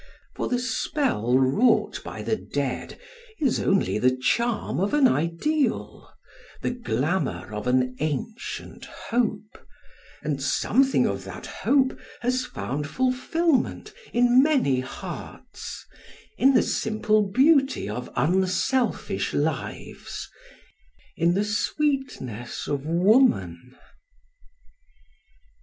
For the spell wrought by the dead is only the charm of an Ideal, the glamour of an ancient hope;—and something of that hope has found fulfillment in many hearts,—in the simple beauty of unselfish lives,—in the sweetness of Woman...